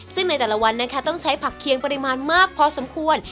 ซึ่งในแต่ละวันนะคะต้องใช้ผักเคียงปริมาณมากพอสมควร